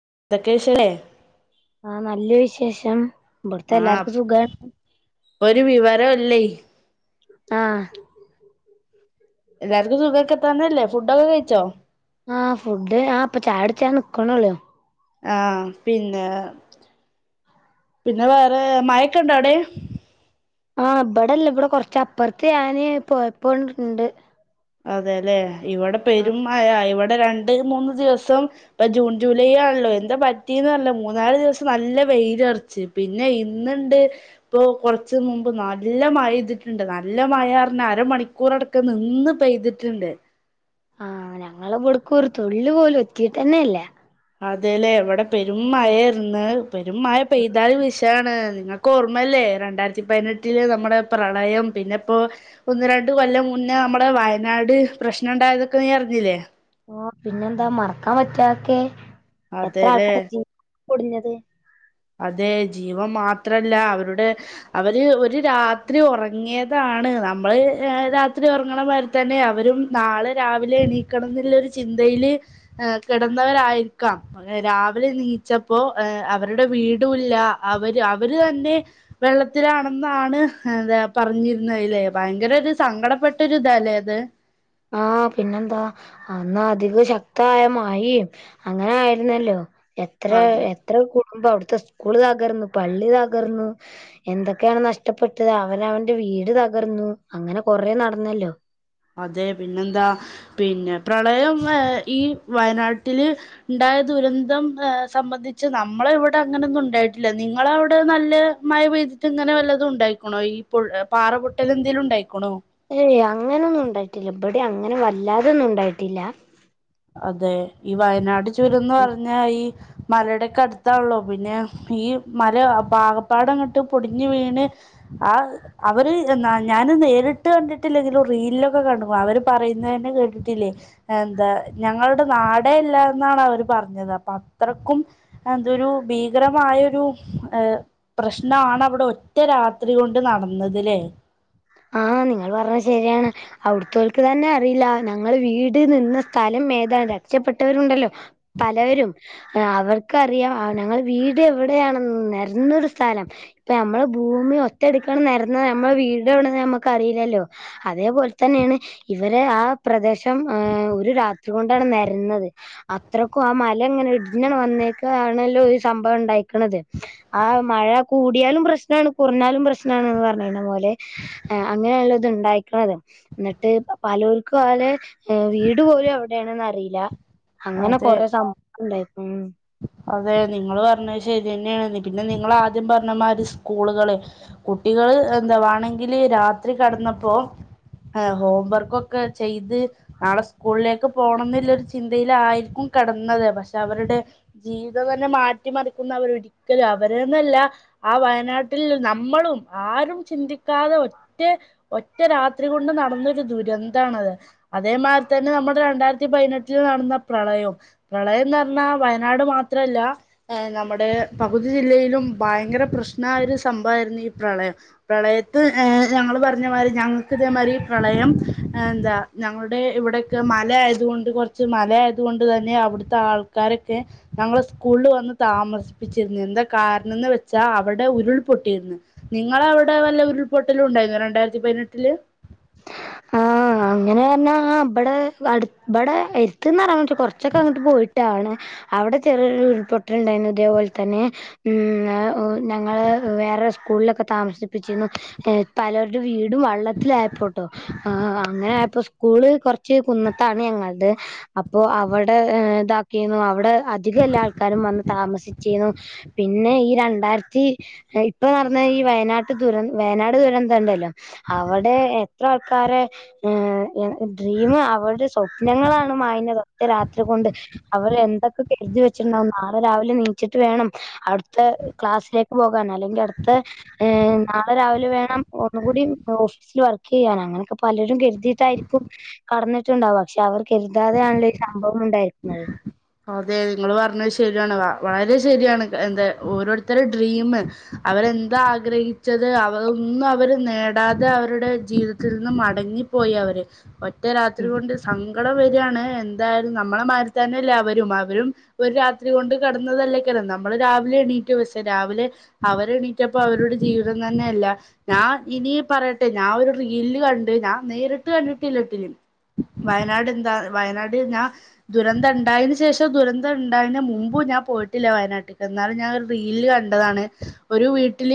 [unintelligible] ആ നല്ല വിശേഷം ഇവിടുത്തെ ആഹ് എല്ലാർക്കും സുഖാണ്. ഇപ്പൊ ഒരു വിവരം ഇല്ലേ ആ എല്ലാർക്കും സുഖോക്കെ ത്തന്നല്ലേ ഫുഡൊക്കെ കഴിച്ചോ. ആ ഫുഡ് ആ പ്പൊ ചായുടിച്ചാൻ നിക്ക്ണൊള്ളൂ ആ പിന്നെ പിന്നെ വേറെ മഴൊക്കെണ്ടോ അവടേം ആ ഇപടെല്ല ഇവിടെ കൊറച്ചപ്പറത്ത് ഞാന് പോയപ്പോ ണ്ട്. അതെ ല്ലെ ഇവിടെ പെരും മഴാ ഇവ രണ്ട് മൂന്ന് ദിവസം ഇപ്പൊ ജൂൺ ജൂലൈ ആണല്ലോ എന്താ പറ്റി ന്നറില്ല മൂന്നാല് ദിവസം നല്ല വെയിലറച്ച് പിന്നെ ഇന്ന് ണ്ട് ഇപ്പൊ കൊർച്ച് മുമ്പ് നല്ല മഴെയ്തിട്ട് ണ്ട് നല്ല. നല്ല മഴറിഞ്ഞ അരമണിക്കൂറടക്കം നിന്ന് പെയ്തിട്ട്ണ്ട്. ആ ഞങ്ങളെബ്ട്ക്കൊരു തുള്ളി പോലും എത്തീട്ടെന്നെ ല്ല. അതെലെ വിടെ പെരും മഴേന്ന് പെരും മഴ പെയ്താലും വി ണ് അൻക്കോർമ്മല്ലേ രണ്ടായിരത്തി പതിനെട്ടില് നമ്മുടെ പ്രളയം പിന്നെ ഇപ്പോ ഒന്ന് രണ്ട് രണ്ട് കൊല്ലം മുന്നേ നമ്മുടെ വയനാട് പ്രശ്നം ഉണ്ടായതൊക്കെ നീ അറിഞ്ഞില്ലേ. ഓ പിന്നെന്താ മറക്കാൻ പറ്റൊ അഒക്കെ അതെ എത്രാക്കാ ജീവൻ പൊടിഞ്ഞത്. അതെ ജീവം മാത്രല്ല അവരുടെ അവര് ഒരു രാത്രി ഒറങ്ങിയതാ നമ്മള് രാത്രി ഉറങ്ങണമാരിത്തെന്നെ അവരും നാളെ രാവിലെ നീക്കണംന്ന്ള്ളൊരു ചിന്ത യില് കെടന്നവരായിരിക്കാം അങ്ങനെ രാവിലെ നീച്ചപ്പോ അവരുടെ വീടുല്ല അവര് അവര് തന്നെ വെള്ളത്തിലാണെന്നാണ് അതാ പറഞ്ഞിരുന്നത് ല്ലേ ഭയങ്കര ഒരു സങ്കടപ്പെട്ടൊരുത ല്ലേ അത് ആ പിന്നെന്താ അന്ന് അധികം ശക്തായ മഴിം അങ്ങനെ ആയിരുന്നല്ലോ. എത്ര അത് എത്ര കൂടുമ്പം അവിടുത്തെ. സ്കൂള് തകർന്നു പള്ളി തകർന്നു എന്തൊക്കെയാണ് നഷ്ടപ്പെട്ടത് അവനവന്റെ വീട് തകർന്നു. അങ്ങനെ കൊറേ നടന്നല്ലോ. അതെ പിന്നെന്താ പിന്നെ പ്രളയം ഏ ഈ വയനാട്ടില് ണ്ടായ ദുരന്തം സംബന്ധിച്ച് നമ്മളിവിടെ അങ്ങനൊന്നും ണ്ടായിട്ടില്ല നിങ്ങളവിടെ നല്ല മഴ പെയ് ഇങ്ങനെ വല്ലതും ഉണ്ടായിക്കുണോ ഈ പാറ പാറപൊട്ടലെന്തെങ്കിലും ണ്ടായിക്കുണോ ഏയ് അങ്ങനൊന്നും ണ്ടായിട്ടില്ല ഇവടീം അങ്ങനെ വല്ലാതൊന്നും ണ്ടായിട്ടില്ല. അതെ ഈ വയനാട് ചുരംന്ന് പറഞ്ഞാ ഈ മലേടൊക്കെ അടുത്താള്ളൊ പിന്നെ ഈ മല പാകപ്പാടങ്ങട്ട് പൊടിഞ് വീണ് ആ അവര് ഞാന് നേരിട്ട് കണ്ടിട്ടില്ലെങ്കിലും റീലൊക്കെ കണ്ടുക്കുണു അവര് പറ് യ്ന്നെ ന്നെ കേട്ടിട്ടില്ലേ എന്താ. ഞങ്ങളുടെ നാടേ ഇല്ലാന്നാണ് അവര് പറഞ്ഞത് അപ്പൊ അത്രയ്ക്കും എന്തൊരു ഭീകരമാ ആയ ഒരു ഏ പ്രശ്നാവിടെ ഒറ്റ രാത്ര്യോണ്ട് നടന്നത് ലെ ആ നിങ്ങൾ പറഞ്ഞത് ശെരിയാണ് അവിട്ത്തോൽ. എനിക്ക് തന്നെ അറിയില്ല ഞങ്ങൾ വീട് നിന്ന സ്ഥലം മേതാനം രക്ഷപ്പെട്ടവരുണ്ടല്ലോ. പലവരും അവർക്കറിയാം ഞങ്ങൾ വീട് എവിടെയാണ നിരഞ്ഞൊരു സ്ഥലം ഇപ്പ നമ്മള ഭൂമി. ഒറ്റ [unintelligible] നിരന്ന നമ്മുടെ വീട്. [unintelligible] നറില്ലല്ലോ അതേപോലെ തന്നെയാണ് ഇവര് ആ പ്രദേശം ഒരു രാത്രി കൊണ്ടാണ്അതു നരന്നത് അത്രക്കും ആ മലങ്ങനെ ഇടിഞ്ഞ് വന്നേക്കാം ആണല്ലോ ഈസംഭവം. ണ്ടുന്നത് ആ മഴ കൂടിയാലും പ്രശ്നമാണ് കുറഞ്ഞാലും പ്രശ്നണ് [unintelligible] ആ അങ്ങനെയള്ളത് ഉണ്ടായി എന്നിട്ട് പലൂർക്കും പോലെ വീട് പോലും എവിടെയാണന്ന് അറിയില്ല അങ്ങനെ അതെ കൊറെ സംഭവ ഇണ്ടായി അതെ നിങ്ങള് പറഞ്ഞ ശരി തന്നെയാണ് പിന്നെ നിങ്ങ ആദ്യം പറഞ്ഞമാരി സ്കൂളുകള് കുട്ടി കുട്ടികള് എന്താവാേണെങ്കില് രാത്രി കടന്നപ്പോ ആഹ ഹോം വർക്കൊക്കെ ചെയ്ത് നാളെ സ്കൂളിലേക്ക് പോണം എന്നുള്ളരു ചിന്തയില ആയിരിക്കും കടന്നതെ പക്ഷെ അവരുടെ ജീവിതം തന്നെ മാറ്റിമറിക്കുന്നവർ ഒരിക്കലും അവരന്നല്ല ആ വയനാട്ടിൽ നമ്മള ആരും ചിന്തിക്കാതെ ഒറ്റ ഒറ്റ രാത്രി കൊണ്ട് നടന്നൊരു ദുരന്തണത് അതേമാതിരി തന്നെ നമ്മുടെ രണ്ടായിരത്തി പതിനെട്ടിൽ നടന്ന പ്രളയവും പ്രളയംന്ന് പറഞ്ഞാൽ വയനാട് മാത്രല്ല നമ്മുടെ പകുതി ജില്ലയിലും ഭയങ്കര പ്രശ്ന ഒരു സംഭവമായിരുന്നു ഈ പ്രളയം പ്രളയത്ത് ഞങ്ങൾ പറഞ്ഞ മാതി ഞങ്ങൾക്ക് ഇതേതിരി പ്രളയം എന്താ ഞങ്ങളുടെ ഇവിടെൊക്കെ മല ആയതുക കൊണ്ട് കുറച്ച് മല ആയത കൊണ്ട് തന്നെ അവിടുത്തെ ആൾക്കാരെ ഞങ്ങൾ സ്കൂളിൽ വന്ന് താമസിപ്പിച്ചിരരുന്നു എന്താ കാരണംന്ന് വെച്ചാൽ അവിടെ ഉരുൾപൊട്ടിയിരുന്നു നിങ്ങള അവിടെ വല്ല ഉരുൾപൊട്ടല ഉണ്ടായിരുന്നു രണ്ടായിരത്തി പതിനെട്ടില് ആഹ അങ്ങനെ പറഞ്ഞാ ഇവിടെ അ ഇടെ [unintelligible] കൊറച്ചൊക്കെ അങ്ങോട്ട് പോയിട്ടാണ് അവിടെ ചെറിയൊരുൾപൊട്ടലുണ്ടായിരുന്നു ഇതേപോലെ തന്നെ [unintelligible] ഞങ്ങളൾ വേറെ സ്കൂളിലൊക്കെ താമസിപ്പിച്ചിരുന്നു പലരുടെ വീടും വള്ളത്തില ട്ട അങ്ങനെപ്പോ സ്കൂള് കുറച്ച് കുന്നത്താണ് ഞങ്ങളുടെ അപ്പോ അവിടെ ഇതാക്കിന്നു അവിടെ അധികം എല്ലാ ആൾക്കാരും വന്ന് താമസിച്ചിുന്നു പിന്നെ ഈ രണ്ടായിരത്തി ഇപ്പൊ നടന്ന ഈ വയനാട്ട ദുര വയനാട് ദുരന്ത [unintelligible] [unintelligible] അവിടെ എത്ര ആൾക്കാരാടെ ഡ്രീം [unintelligible] സ്വപ്നങ്ങളാണ് മായഞ്ഞത് ഒറ്റ രാത്രി കൊണ്ട് അവർ എന്തൊക്കെ കരുതി വെച്ചിണ്ടാവുന്ന രാവിലെ നീച്ചിട്ട് വേണം അടുത്ത ക്ലാസ്സിലേക്ക് പോകാൻ അല്ലെങ്കിൽ അടുത്ത നാളെ രാവിലെ വേണം ഒന്ന കൂടി ഓഫീസിൽ വർ ചെയ്യൻ അങ്ങനെയൊക്കെ പലരും കരുതിയിട്ടായിരിക്കും കടന്നിട്ടുണ്ടാവും പക്ഷെ അവർ കരുതാതെയാണല്ലോ സംഭവം ഉണ്ടായിരിക്കുന്നത് അതെ നിങ്ങള് പറഞ്ഞത് ശരിയാണ വാ വളരെ ശരിയാണ് എന്താ ഓരോരുത്തരു ഡ്രീം അവരെന്താ ആഗ്രഹിച്ചത് അവർ ഒന്നും അവര് നേടാതെ അവരുടെ ജീവിതത്തിൽ നിന്ന മടങ്ങിപ്പോയി അവര് ഒറ്റേ രാത്രി ഉം കൊണ്ട് സങ്കടം വരയാണ് എന്തായരുന്നു നമ്മളെ മാത്തന്നല്ലേ അവരും അവരും ഒരു രാത്രി കൊണ്ട് കടന്നതല്ലേക്കല്ല നമ്മള് രാവിലെ എണീറ്റ് [unintelligible] രാവിലെ അവരെ എണീറ്റപ്പ അവരുടെ ജീവിതം തന്നെയ അല്ല ഞാൻ ഇന പറയട്ടെ ഞാൻ ഒരു റീൽ കണ്ട് ഞാൻ നേരിട്ട് കണ്ടിട്ടില്ലട്ടിലും വയനാട് എന്താ വയനാട് ഞാൻ ദുരന്തം ഉണ്ടായതിനന് ശേഷം ദുരന്തം ഉണ്ടായന് മുമ്പ് ഞാൻ പോയിട്ടില്ല വയനാട്ടക്ക് എന്നാാല ഞാൻ റീൽ [unintelligible] ഒരു വീട്ടിൽ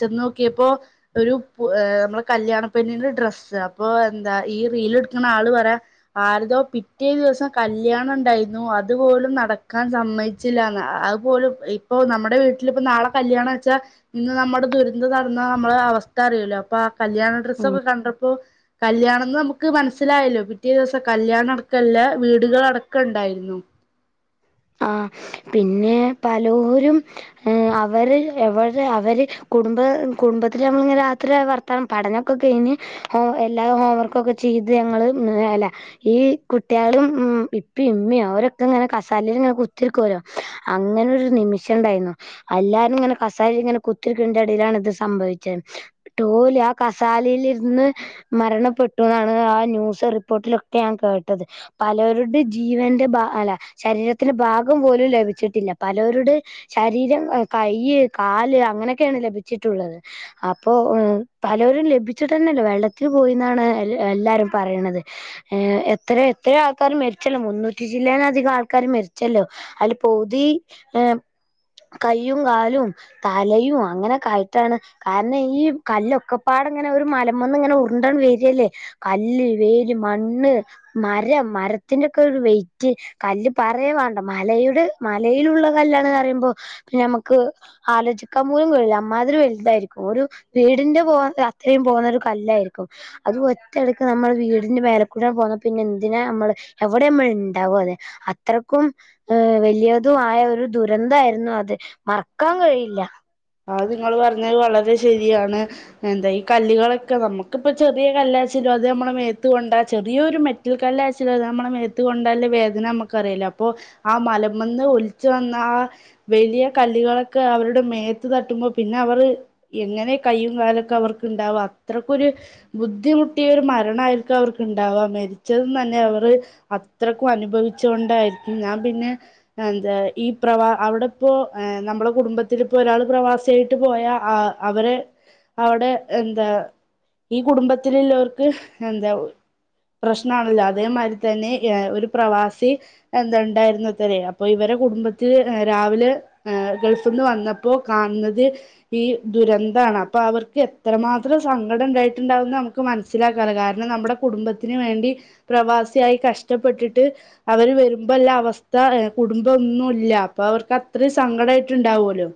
ചെന്ന് നോക്കിയപ്പോ ഒരു നമ്മ കല്യാണപെണ്ണ് ഡ്രസ്സ്‌ അപ്പൊ എന്ത ഈ റീൽ എടുക്കാന ആൾ പറയ ആരാടയോ പിറ്റദിവസം [unintelligible] കല്യാണം ഉണ്ടയിരുന്ന അതുപോലും നടക്കാൻ സമ്മതിച്ചില്ലാന്ന് അതു പോലും ഇപ്പൊ നമ്മുടെ വീട്ട നാളെ കല്യാണം വെച്ചാൽ ഇന്ന് നമ്മുടെ ദുരന്തം നടന്ന നമ്മള അവസ്ഥ അറിയല്ലോ അപ്പൊ കല്യാണ ഉം ഡ്രസ്സൊക്കെ കണ്ടപ്പോ കല്യാണ ന്ന് നമുക്ക് മനസ്സിലായല്ലോ പിറ്റേ ദിവസം കല്യാണം അടക്കംല്ല വീടുകളടക്കം ഉണ്ടായിരുന്നു ആ പിന്നെ പലരും ഏ അവര് എവിടെ അവര് കുടുംബ കുടുംബത്തില്ൽ നമ്മളി രാത്രി വർത്താനം പഠനൊക്കെ കഴിഞ്ഞ് എല്ലാം ഹോംവർക്കൊക്കെ ചെയ ഇത് ഞങ്ങള് അല്ല ഈ കുട്ടികളും ഉം ഇപ്പ ഇമ്മ അവരൊക്കെ ഇങ്ങനെ കങ്ങനെ കുത്തിരിക്കല്ലോ അങ്ങനെ നിമിഷം ഉണ്ടായിരുന്നു എല്ലാരും ഇങ്ങനെ കസ ഇങ്ങനെ ടയിലാണ് ഇത് സംഭവിച്ചത് ടോലി ആ കസാലയിലിരുന്ന് മരണപ്പെട്ടു ആ ന്യൂസ് റിപ്പോർട്ടിലൊക്കെ ഞാൻ കേട്ടത് പലവരുടെ ജീവന്റെ ഭ അല്ല ശരീരത്തിന് ഭാഗം പോലും ലഭിച്ചിട്ടില്ല പലവരട് ശരീരം കൈ കാല് അങ്ങനെയൊക്കെയാണ് ലഭിച്ചിട്ടുള്ളത് അപ്പോ പലരും ലഭിച്ചിട്ട തന്നെല്ലോ വെള്ളത്തിൽ പോയിന്നാണ് എല്ലാവാരും പറയണത് ഏ എത്ര എത്ര ആൾക്കർ മരിച്ചല്ലോ മുന്നൂറ്റി ചില്ലുവാനം അധികം ആൾക്കാ ക്ക മരിച്ചല്ലോ അതി പതി ഏ കയയും കാലും തലയും അങ്ങനെയൊക്കെ ആയിട്ടാണ് കാരണം ഈ കല്ലൊക്കെപ്പാ ങ്ങനെ ഒരു മലമന്ന് ഇങ്ങനെ ഉരുണ്ടൻ വരില്ലേ കല്ല് വേല് മണ്ണ് മരം മരത്തിൻ്റെ ഒക്കെ ഒരു വേറ്റ് [unintelligible] പറയ വണ്ട മലയുടെ മലയിലുള്ള കല്ലണ പറയുമ്പോ നമ്മക്ക് ആലോചിക്കാൻ അമ്മാതിരി വലുതായിരിക്കും ഒരു വീടിന്റെ പോ അത്രയും പോകുന്ന ഒരു കല്ലായിരിക്കും അത് അടക്ക് നമ്മൾ വീടിന്റെ മേലക്കൂട പോകന്ന പിന്നെ എന്തിനാ നമ്മള് എവിടെ നമ്മൾ ഉണ്ടാകും അതെ അത്രയ്ക്കും ഏ വലിയതു ആമായ ഒരു ദുരന്തമായിരുന്നു അത് മറക്കാൻ കഴിയില്ല ആ നിങ്ങള് പറഞ്ഞത് വളരെ ശരിയാണ് എന്താ ഈ കല്ലുകളൊക്കെ നമ്മുക്കിപ്പൊ ചെറിയ കല് ച്ച അത് നമ്മൾ മേത്തുക കൊണ്ടാ ചെറിയൊരു മെറ്റൽ കല് ആച്ചാല അ നമ്മള മത്ത് കൊണ്ടാലല്ല വേദന നമുക്ക അറിയില്ല അപ്പൊ ആ മലമന്ന് ഒലിച്ചു വന്ന ആ വലിയ കല്ലികളൊക്കെ അവരുടെ മേ തട്ടുമ്പോ പിന്നെ അവർ എങ്ങനെ കയും കാലൊക്കെ അവർക്ക് ഉണ്ടാവും അത്രക്കരു ബുദ്ധി കുട്ടിയ ഒരു മരണായിരിക്കും അവർക്ക്ണ്ടാവുക മരിച്ചത തന്നെ അവർ അത്രയ്ക്കും അനുഭവിച്ചുകൊണ്ട് ഞാൻ പിന്നൊ ഈ പ്രവാ അവിടെപ്പോ നമ്മളെ കുടുംബത്തി ഇപ്പോ ഒരാൾ പ്രവാസിയായിട്ട് പോയാ ആ അവര് അവിടെ എന്താ ഈ കുടുംബത്തിലുള്ളവർക്ക് എന്താ പ്രശ്നമാണല്ലോ അതേമാതിരി തന്നെ ഒരു പ്രവാസി എന്തണ്ടായിരുന്നത്രേ അപ്പൊ ഇവരെ എ കുടുംബത്തിൽ രാവിലെ് ഗൾഫിൽ നിന്ന് വന്നപ്പോ കാണുന്നത് ഈ ദുരന്തമാണ് അപ്പൊ അവർക്ക് എത്രമാത്രം സങ്കടം ഉണ്ടായിട്ടുണ്ടാവുന്ന നമുക്ക് മനസിലാക്ക കാര നമ്മ കുടുംബത്തിന് വേണ്ട പ്രവാസായി കഷ്ടപ്പെട്ടിട്ട് അവ വരുമ്പോ എല്ല അവസ്ഥ കുടുംബം ഒന്നുമ ഇല്ല അപ്പൊ അവർക്ക് അത്രയും സങ്കടമായിട്ട്ണ്ടാവല്ലോ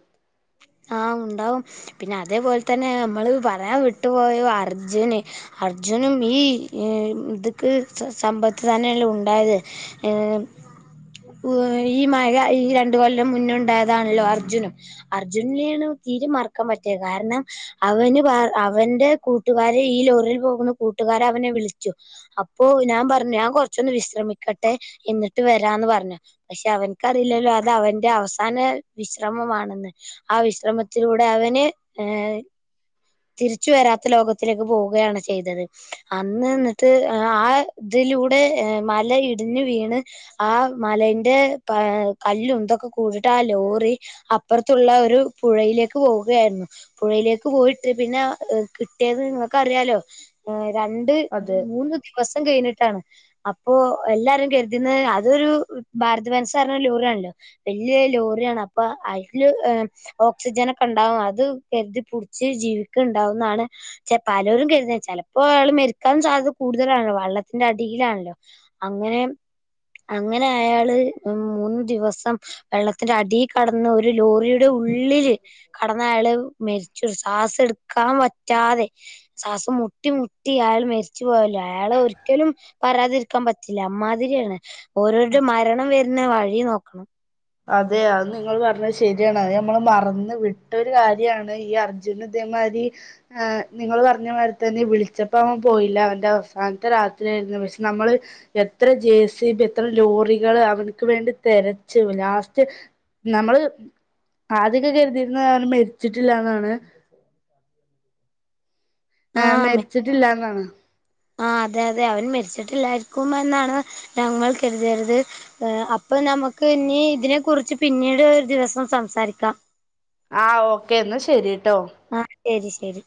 ആ ഉണ്ടാവും പിന്നെ അതേപോലെ തന്നെ നമ്മള് പറയാൻ വിട്ടുപോയ അർജുന് അർജുനും ഈ ഇതക്ക് സമ്പത്ത് തന്നെയല്ലേ ഉണ്ടായത് [inaudible] ഈ മഴ ഈ രണ്ട കൊല്ലം മുന്നുണ്ടായതാണല്ലോ അർജുനും അർജുനനെയാണ് തീരെ മറക്കാൻ പറ്റിയത് കാരണം അവന് അവന്റെ കൂട്ടുകാരെൽ ചോറിൽ പോകുന്ന കൂട്ടുകാര അവനെ വിളിച്ചു അപ്പൊ ഞാൻ പറഞ്ഞു ഞാൻ കൊറച്ചൊന്ന് വിശ്രമിക്കട്ടെ എന്നിട്ട് വരാന്ന് പറഞ്ഞു പക്ഷെ അവനക്ക്റില്ലല്ലോ അത് അവന്റെ അവസാന വിശ്രമമാണെന്ന് ആ വിശ്രമത്തിലൂടെ അവന് ഏ തിരിച്ച വരാത്ത ലോകത്തിലേക്ക് പോവുകയാണ് ചെയ്തത് അന്ന് നി എന്നിട്ട് ആ ഇ ഇതിലൂടെ മലയിടിഞ്ഞു വീണ് ആ മലന്റെ കല്ലല് എന്തൊക്കെ കൂടിട്ട് ആ ലോറി അപ്പറ ത്തുള്ള ഒരു പുഴയിലേക്ക് പോവുകയായിരുന്നു പുഴയിലേക്ക് പോയിട്ട് പിന്നെ കിട്ടിയത് നിങ്ങൾക്ക് അറിയാലോ രണ്ട് അതെ മൂന്ന് ദിവസം കഴിഞ്ഞ [unintelligible] അപ്പോ എല്ലാരും കരുതുന്നത് അതൊരു ഭാരത വനസ ലൂറ ആണല്ലോ വല ലോറിയാണ് അപ്പൊ ഓക്സിജന ഒക്കെ ഉണ്ടാവും അത് കരുതിപ്പടിച്ച് ജീവിക്കണ്ടാവുന്നാണ് പലരും കരുത ചിലപ്പോയാള് മെരുക്കാനും സാധ്യത കൂടുതലാണല്ലോ വെള്ളത്തിന്റെ അടിയിലാണല്ലോ അങ്ങനെ അങ്ങനെ അയാള് മൂന്ന് ദിവസം വെള്ളത്തിന്റെ അടി കടന്ന് ഒരു ലോറിയുടെ ഉള്ളില് കടന്ന ആള് മരിച്ച സവാസ എടു ക്കാൻ പറ്റാതെ ശ്വാസം മുട്ടി മുട്ടി അയാൾ മരിച്ചു പോയല്ലോ അയാൾ ഒരിക്കലും വരാതിരിക്കാൻ പറ്റില്ല അമാതിരിയാണ് ഓരോരുടെ മരണം വരുന്ന വഴി നോക്കണം അതെ അത് നിങ്ങൾ പറഞ്ഞത് ശരിയാണ് അ നമ്മൾ മറന്ന് വിട്ടൊരു കാര്യമാണ് ഈ അർജുനദ്ദേ മാരി നിങ്ങള് പറഞ്ഞ മാരി തന്നെ വിളിച്ചപ്പോ അവൻ പോയില്ല അവന്റെ അവസാനത്തെ രാത്രിയാ പക്ഷെ നമ്മള് എത്ര ജെ സി ബി എത്ര ലോറികൾ അവനക്ക് വേണ്ടി തെരച്ച് [unintelligible] ലാസ്റ്റ് നമ്മള് ആദ്യൊക്കെ കരുതിരുന്ന അവന് മരിച്ചിട്ടില്ലന്നാണ് ആ മരിച്ചിട്ടില്ലാ ന്നാണ് ആ അതെ അതെ അവൻ മരിച്ചിട്ടില്ലായിരിക്കും എന്നാണ് ഞങ്ങൾ കരുതരുത് അപ്പ നമുക്ക് ഇനി ഇതിനെ കുറിച്ച് പിന്നീട് ഒരു ദിവസം സംസാരിക്കാം ആഹ് ഓക്കെ എന്നാ ശരി ആ ശരി ശരി